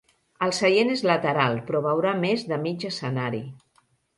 El seient és lateral, però veurà més de mig escenari.